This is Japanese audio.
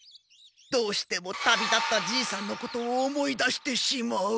どうしても旅立ったじいさんのことを思い出してしまう。